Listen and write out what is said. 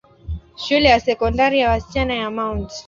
Shule ya Sekondari ya wasichana ya Mt.